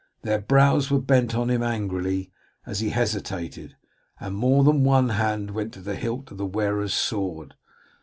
Their brows were bent on him angrily as he hesitated, and more than one hand went to the hilt of the wearer's sword.